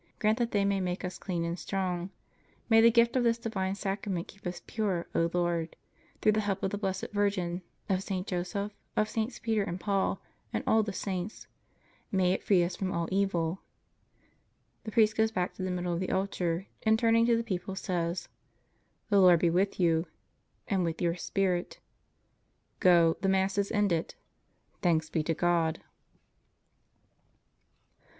Grant that they may make us clean and strong. May the gift of this divine Sacrament keep us pure, O Lord. Through the help of the Blessed Virgin, of St. Joseph, of Sts. Peter and Paul and all the saints, may it free us from all evil. The priest goes back to the middle of the altar and turning to the people says: The Lord be with you. And with your spirit. Go, the Mass is ended. Thanks be to God.